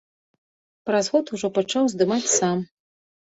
Праз год ужо пачаў здымаць сам.